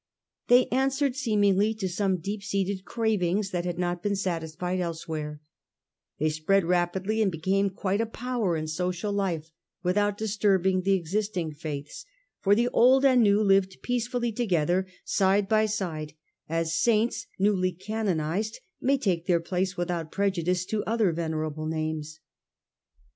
They answered seemingly to some deep seated cravings that had not been satisfied elsewhere ; they spread rapidly and became quite a power in social life without disturbing the existing faiths, for the old and new lived peacefully together side by side, as saints newly canonized may take their place without prejudice to other venerable names.